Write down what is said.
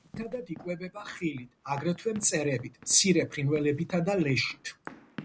ძირითადად იკვებება ხილით, აგრეთვე მწერებით, მცირე ფრინველებითა და ლეშით.